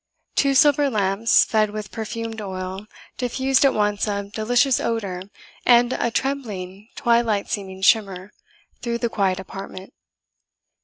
Two silver lamps, fed with perfumed oil, diffused at once a delicious odour and a trembling twilight seeming shimmer through the quiet apartment.